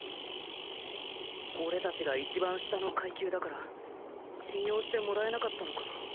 俺たちが一番下の階級だから信用してもらえなかったのかな。